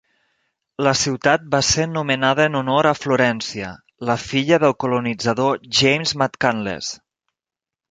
La ciutat va ser nomenada en honor a Florència, la filla del colonitzador James McCandless.